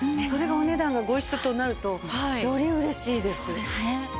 それがお値段がご一緒となるとより嬉しいです。